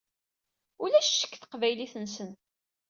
Ulac ccek deg teqbaylit-nsen.